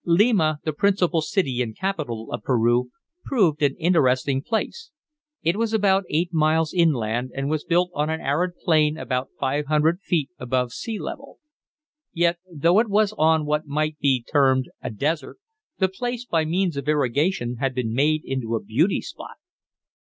Lima, the principal city and capital of Peru, proved an interesting place. It was about eight miles inland and was built on an arid plain about five hundred feet above sea level. Yet, though it was on what might be termed a desert, the place, by means of irrigation, had been made into a beauty spot.